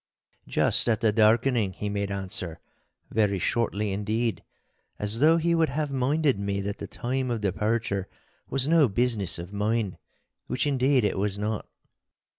'Just at the darkening,' he made answer, very shortly indeed, as though he would have minded me that the time of departure was no business of mine—which, indeed, it was not.